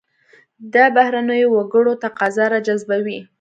دا بهرنیو وګړو تقاضا راجذبوي.